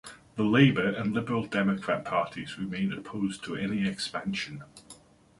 The Labour and Liberal Democrat parties remain opposed to any expansion.